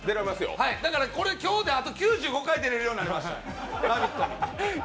だから今日であと９５回出れるようになりました、「ラヴィット！」。